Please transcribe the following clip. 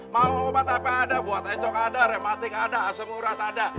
mau obat apa ada buat enco ada remating ada asem urat ada